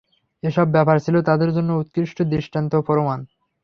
এসব ব্যাপার ছিল তাদের জন্য উৎকৃষ্ট দৃষ্টান্ত ও প্রমাণ।